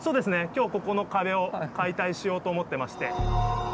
今日ここの壁を解体しようと思ってまして。